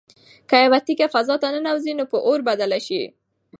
که یوه تیږه فضا ته ننوځي نو په اور بدله شي.